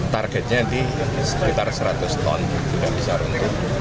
targetnya di sekitar seratus ton